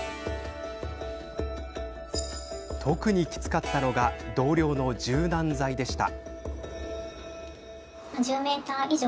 特に、きつかったのが同僚の柔軟剤でした。